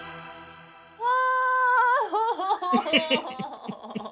うわ！